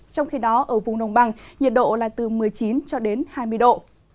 trong khi đó ở vùng nồng bằng nhiệt độ là từ một mươi chín hai mươi độ